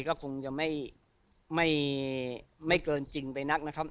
ก็คงจะไม่เกินจริงไปนักนะครับ